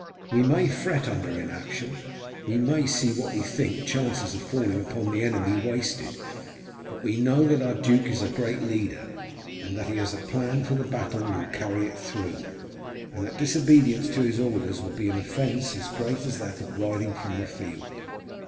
We may fret under inaction, we may see what we think chances of falling upon the enemy wasted, but we know that our duke is a great leader, that he has a plan for the battle and will carry it through, and that disobedience to his orders would be an offence as great as that of riding from the field.